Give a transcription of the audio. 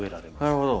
なるほど。